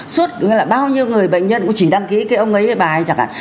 suốt bao nhiêu người bệnh nhân cũng chỉ đăng ký cái ông ấy hay bà ấy chẳng hạn